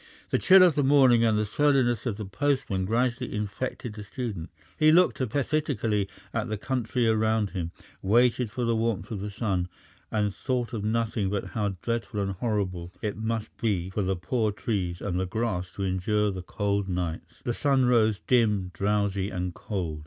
The chill of the morning and the surliness of the postman gradually infected the student. He looked apathetically at the country around him, waited for the warmth of the sun, and thought of nothing but how dreadful and horrible it must be for the poor trees and the grass to endure the cold nights. The sun rose dim, drowsy, and cold.